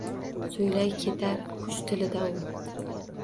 So’ylay ketar “qush tili”da u